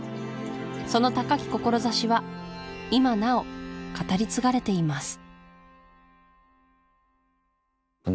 その高き志は今なお語り継がれています